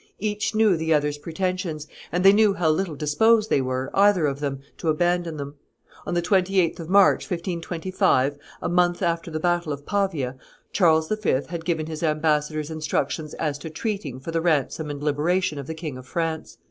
Each knew the other's pretensions, and they knew how little disposed they were, either of them, to abandon them. On the 28th of March, 1525, a month after the battle of Pavia, Charles V. had given his ambassadors instructions as to treating for the ransom and liberation of the King of France.